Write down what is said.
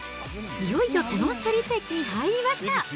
いよいよキャノンストリート駅に入りました。